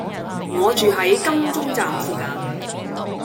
我住喺金鐘站附近